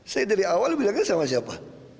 saya dari awal bilangnya sama siapa